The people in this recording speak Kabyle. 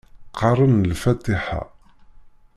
Qqaren lfatiḥa.